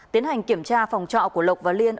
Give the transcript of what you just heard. tiến hành kiểm tra phòng trọ của lộc và liên